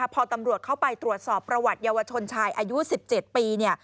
พอตำรวจเข้าไปตรวจสอบประวัติเยาวชนชายอายุ๑๗ปี